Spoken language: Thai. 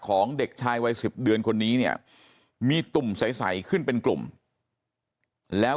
ของเด็กชายวัย๑๐เดือนคนนี้เนี่ยมีตุ่มใสขึ้นเป็นกลุ่มแล้ว